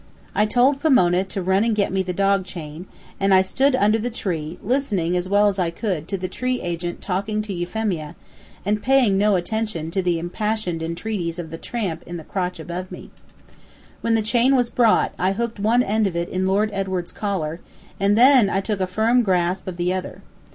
I told Pomona to run and get me the dog chain, and I stood under the tree, listening, as well as I could, to the tree agent talking to Euphemia, and paying no attention to the impassioned entreaties of the tramp in the crotch above me. When the chain was brought, I hooked one end of it in Lord Edward's collar, and then I took a firm grasp of the other.